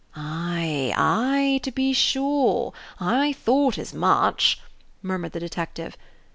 "Ay, ay, to be sure; I thought as much," murmured the detective.